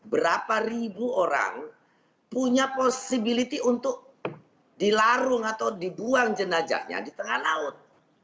berapa ribu orang punya posibilitas untuk dilarung atau dibuang jenajahnya di tengah laut